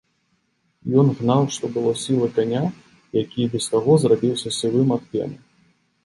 Ён гнаў што было сілы каня, які і без таго зрабіўся сівым ад пены.